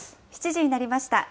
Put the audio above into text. ７時になりました。